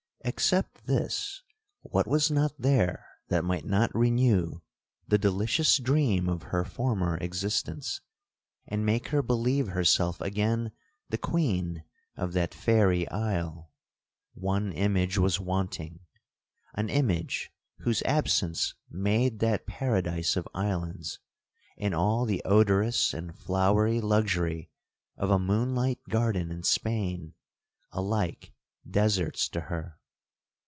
'Except this, what was not there that might not renew the delicious dream of her former existence, and make her believe herself again the queen of that fairy isle?—One image was wanting—an image whose absence made that paradise of islands, and all the odorous and flowery luxury of a moonlight garden in Spain, alike deserts to her.